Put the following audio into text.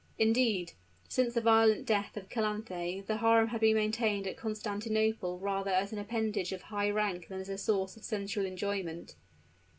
Indeed, since the violent death of Calanthe the harem had been maintained at Constantinople rather as an appendage of high rank than as a source of sensual enjoyment.